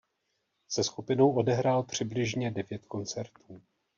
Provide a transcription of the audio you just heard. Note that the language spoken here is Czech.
Se skupinou odehrál přibližně devět koncertů.